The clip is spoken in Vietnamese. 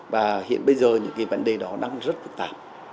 và hiện bây giờ những cái vấn đề đó đang rất phức tạp